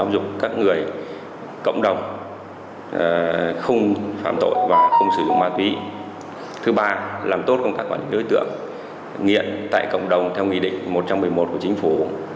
xử phạt vi phạm nghiện tại cộng đồng theo nghị định một trăm một mươi một của chính phủ